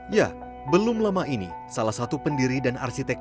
ya belum lama ini salah satu pendiri dan arsitek